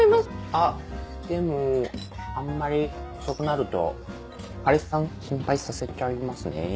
あっでもあんまり遅くなると彼氏さん心配させちゃいますね。